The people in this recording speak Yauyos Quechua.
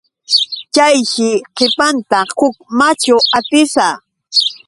Chayshi qipanta huk machu atisa.